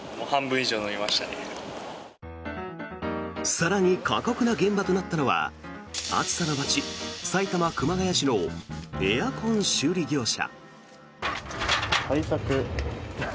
更に、過酷な現場となったのは暑さの街、埼玉・熊谷市のエアコン修理業者。